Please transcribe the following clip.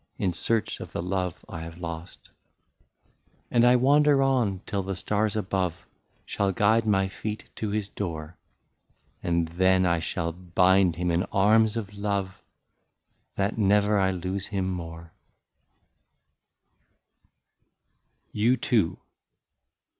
In search of the love 1 have lost ;*^ And I wander on till the stars above Shall guide my feet to his door ; And then I shall bind him in arms of love, That never I lose him more," 65 YOU TOO